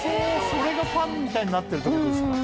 それがパンみたいになってるってことですか？